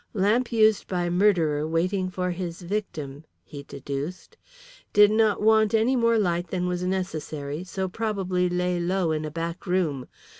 "Lamp used by murderer waiting for his victim," he deduced. "Did not want any more light than was necessary, so probably lay low in a back room.